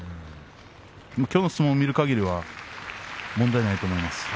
きょうの相撲を見るかぎりでは問題ないと思います。